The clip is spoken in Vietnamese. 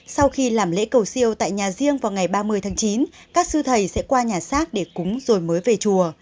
sau khi làm lễ cầu siêu tại nhà riêng vào ngày ba mươi tháng chín các sư thầy sẽ qua nhà xác để cúng rồi mới về chùa